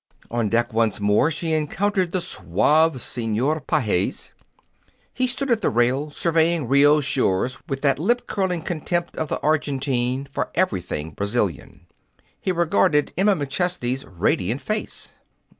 On deck once more, she encountered the suave Senor Pages. He stood at the rail surveying Rio's shores with that lip curling contempt of the Argentine for everything Brazilian. He regarded Emma McChesney's radiant face.